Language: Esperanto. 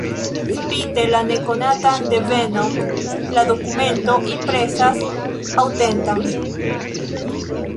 Spite la nekonatan devenon la dokumento impresas aŭtenta.